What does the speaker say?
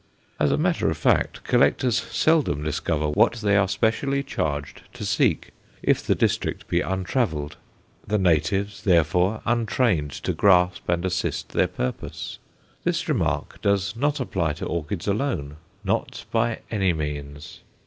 As a matter of fact, collectors seldom discover what they are specially charged to seek, if the district be untravelled the natives, therefore, untrained to grasp and assist their purpose. This remark does not apply to orchids alone; not by any means.